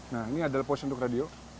nah ini adalah pos untuk radio